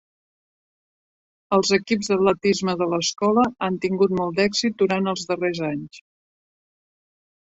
Els equips d'atletisme de l'escola han tingut molt d'èxit durant els darrers anys.